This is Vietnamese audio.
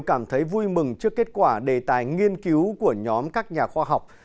tôi cũng cảm thấy vui mừng trước kết quả đề tài nghiên cứu của nhóm các nhà khoa học